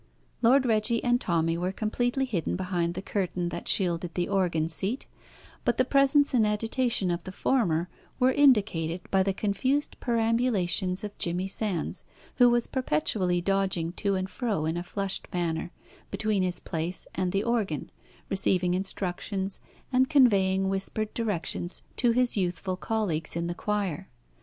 Lord Reggie and Tommy were completely hidden behind the curtain that shielded the organ seat; but the presence and agitation of the former were indicated by the confused perambulations of Jimmie Sands, who was perpetually dodging to and fro in a flushed manner between his place and the organ, receiving instructions, and conveying whispered directions to his youthful colleagues in the choir.